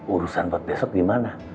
urusan buat besok gimana